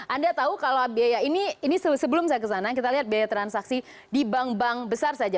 anda tahu kalau biaya ini ini sebelum saya kesana kita lihat biaya transaksi di bank bank besar saja